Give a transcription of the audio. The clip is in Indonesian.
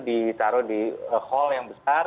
ditaruh di hall yang besar